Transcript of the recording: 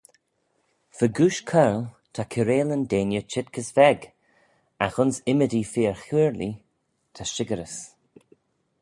Fegooish coyrle ta kiarailyn deiney cheet gys veg: agh ayns ymmodee fir-choyrlee ta shickyrys.